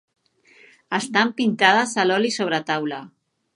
Estan pintades a l'oli sobre taula.